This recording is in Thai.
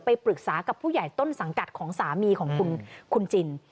ปรึกษากับผู้ใหญ่ต้นสังกัดของสามีของคุณจิน